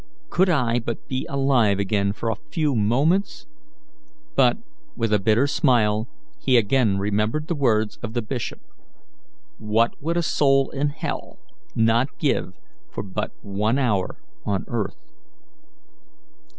Could I but be alive again for a few moments!" But, with a bitter smile, he again remembered the words of the bishop, "What would a soul in hell not give for but one hour on earth?"